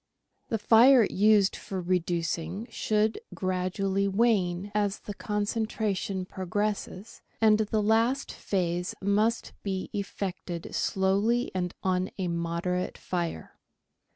The fire used for reducing should gradually wane as the concentra tion progresses, and the last phase must be effected slowly and on a moderate fire.